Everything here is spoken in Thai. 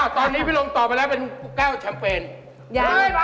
ตอนนี้พี่ลงตอบไปแล้วเป็น๙แชมเปญ